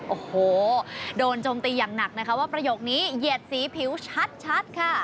โอ้โหโดนโจมตีอย่างหนักนะคะว่าประโยคนี้เหยียดสีผิวชัดค่ะ